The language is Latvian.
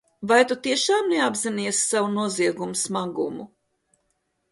Vai tu tiešām neapzinies savu noziegumu smagumu?